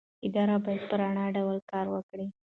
ادارې باید په روڼ ډول کار وکړي